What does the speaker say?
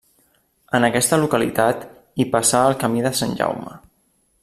En aquesta localitat hi passa el Camí de Sant Jaume.